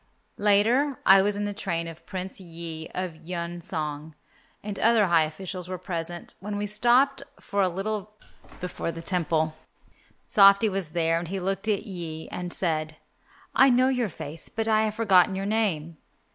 Later I was in the train of Prince Yi of Yun song, and other high officials were present, when we stopped for a little before the Temple. Softy was there, and he looked at Yi and said, "I know your face, but I have forgotten your name."